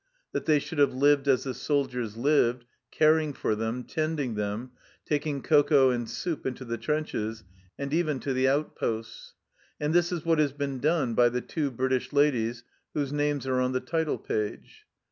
That they should have lived as the soldiers lived, caring for them, tending them, taking cocoa and soup into the trenches and even to the outposts. And this is what has been done by the two British ladies whose names are on the title page.